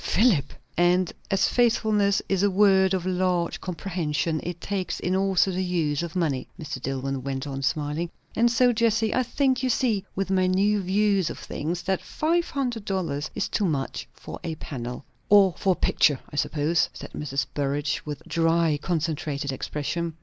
"Philip! " "And as faithfulness is a word of large comprehension, it takes in also the use of money," Mr. Dillwyn went on smiling; "and so, Jessie, I think, you see, with my new views of things, that five hundred dollars is too much for a panel." "Or for a picture, I suppose!" said Mrs. Burrage, with dry concentrated expression.